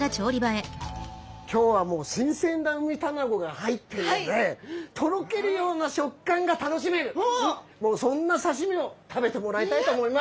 今日はもう新鮮なウミタナゴが入っているのでとろけるような食感が楽しめるそんな刺身を食べてもらいたいと思います！